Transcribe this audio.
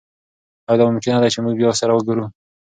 ایا دا ممکنه ده چې موږ بیا سره وګورو؟